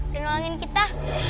dengan uangin kita